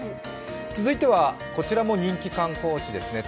続いては、こちらも人気観光地ですね。